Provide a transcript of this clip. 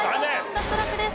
脱落です。